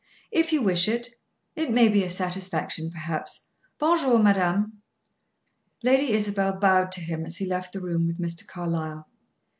"If you wish it. It may be a satisfaction, perhaps. Bon jour, madame." Lady Isabel bowed to him as he left the room with Mr. Carlyle.